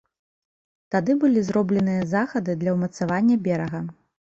Тады былі зробленыя захады для ўмацавання берага.